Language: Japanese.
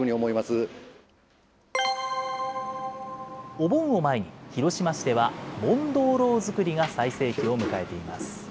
お盆を前に、広島市では、盆灯ろう作りが最盛期を迎えています。